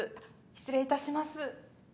失礼いたします。